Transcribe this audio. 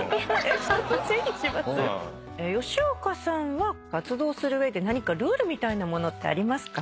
吉岡さんは活動する上で何かルールみたいなものありますか？